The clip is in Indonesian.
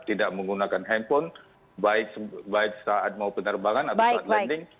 tidak menggunakan handphone baik saat mau penerbangan atau saat landing